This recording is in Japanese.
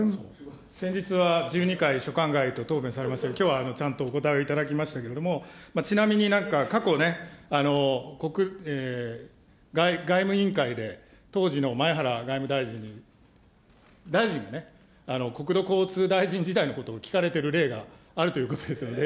先日は１２回、所管外と答弁されましたけれども、きょうはちゃんとお答えをいただきましたけれども、ちなみに、なんか過去、外務委員会で当時の前原外務大臣に、大臣がね、国土交通大臣時代のことを聞かれてる例があるということですよね。